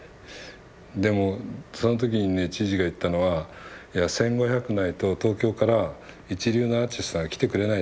でもその時にね知事が言ったのは１，５００ないと東京から一流のアーティストが来てくれないと。